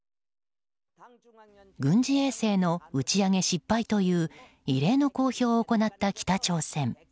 軍事衛星の打ち上げ失敗という異例の公表を行った北朝鮮。